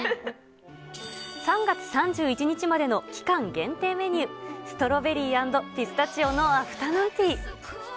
３月３１日までの期間限定メニュー、ストロベリー＆ピスタチオのアフタヌーンティー。